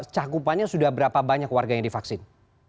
cakupannya sudah berapa banyak warganya divaksin